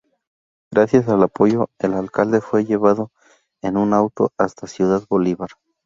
Gracias al apoyo del Alcalde fue llevado en un auto hasta Ciudad Bolívar.